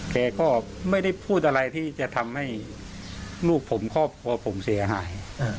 แกก็ไม่ได้พูดอะไรที่จะทำให้ลูกผมครอบครัวผมเสียหาย